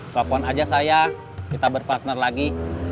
telepon aja saya kita berpartner lagi